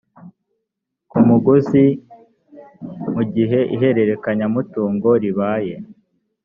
ku muguzi mu gihe ihererekanyamutungo ribaye